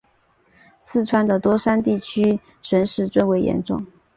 四川的多山地区损失最严重。